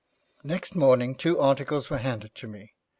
Next morning two articles were handed to me.